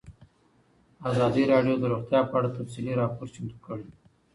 ازادي راډیو د روغتیا په اړه تفصیلي راپور چمتو کړی.